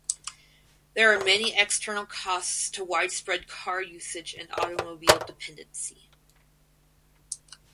There are many external costs to widespread car usage and automobile dependency.